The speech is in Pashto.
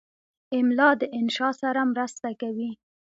املا د انشا سره مرسته کوي.